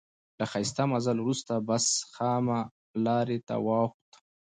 له ښایسته مزل وروسته بس خامه لارې ته واوښت.